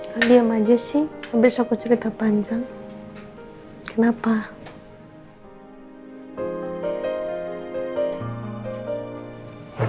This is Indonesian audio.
kau diam aja sih abis aku cerita panjang